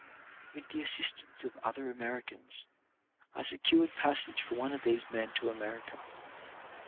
With the assistance of other Americans, I secured passage for one of these men to America.